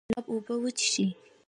د زړه د تقویت لپاره د ګلاب اوبه وڅښئ